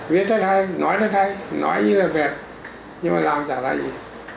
viết thay thay nói thay thay nói như là việt nhưng mà làm chả ra gì